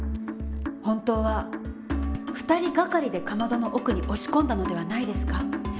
本当は２人がかりでかまどの奥に押し込んだのではないですか？